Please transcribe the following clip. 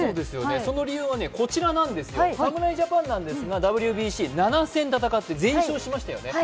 その理由はこちらなんですよ、侍ジャパンなんですがＷＢＣ７戦、戦って全勝しましたよね。